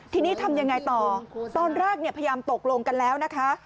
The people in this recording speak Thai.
ทีนี้ทำยังไงต่อตอนแรกพยายามตกลงกันแล้วนะคะ